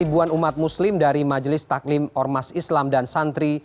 ribuan umat muslim dari majelis taklim ormas islam dan santri